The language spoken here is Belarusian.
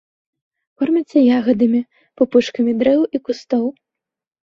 Корміцца ягадамі, пупышкамі дрэў і кустоў.